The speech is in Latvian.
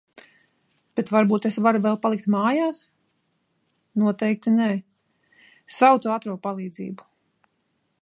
Bet varbūt es varu vēl palikt mājās?... noteikti nē! Saucu ātro palīdzību.